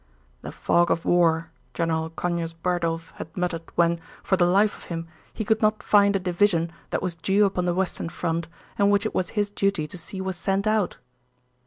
"The fog of war," General Conyers Bardulph had muttered when, for the life of him, he could not find a division that was due upon the Western Front and which it was his duty to see was sent out.